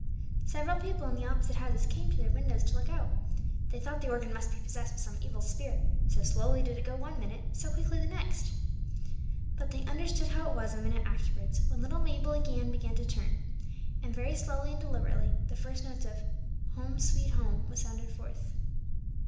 Several people in the opposite houses came to their windows to look out; they thought the organ must be possessed with some evil spirit, so slowly did it go one minute, so quickly the next. But they understood how it was a minute afterwards when little Mabel again began to turn, and very slowly and deliberately the first notes of "Home, sweet Home," was sounded forth.